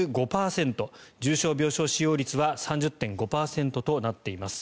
重症病床使用率が３０．５％となっています。